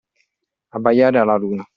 Abbaiare alla luna.